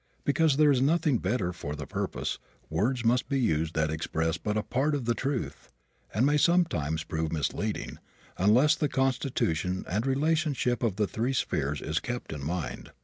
Because there is nothing better for the purpose, words must be used that express but a part of the truth and may sometimes prove misleading unless the constitution and relationship of the three spheres is kept in mind.